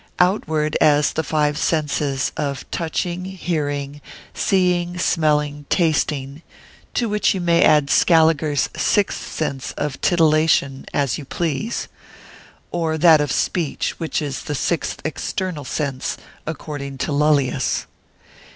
Outward, as the five senses, of touching, hearing, seeing, smelling, tasting, to which you may add Scaliger's sixth sense of titillation, if you please; or that of speech, which is the sixth external sense, according to Lullius.